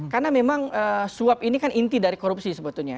karena memang suap ini kan inti dari korupsi sebetulnya